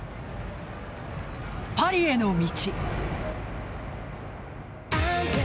パリへの道。